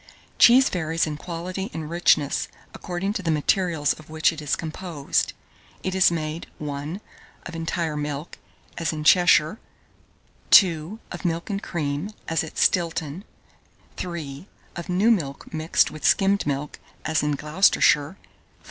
1621. Cheese varies in quality and richness according to the materials of which it is composed. It is made 1. Of entire milk, as in Cheshire; 2. of milk and cream, as at Stilton; 3. of new milk mixed with skimmed milk, as in Gloucestershire; 4.